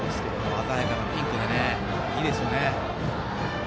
鮮やかなピンクでいいですよね。